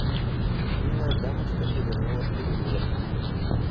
Милая дамочка повернула в переулок.